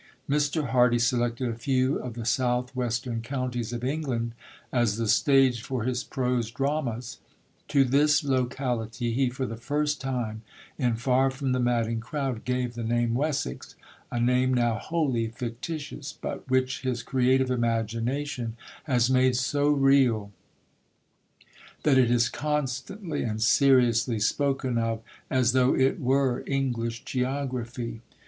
Mr. Hardy selected a few of the southwestern counties of England as the stage for his prose dramas; to this locality he for the first time, in Far from the Madding Crowd, gave the name Wessex, a name now wholly fictitious, but which his creative imagination has made so real that it is constantly and seriously spoken of as though it were English geography.